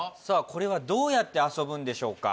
これはどうやって遊ぶんでしょうか？